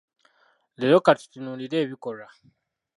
Leero ka tutunuulire ebikolwa.